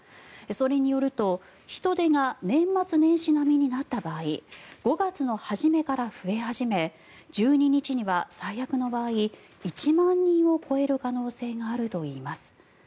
それによると人出が年末年始並みになった場合５月の初めから増え始め１２日には最悪の場合１万人を超える可能性があるといいます。